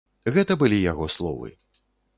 Гэта былі яго словы.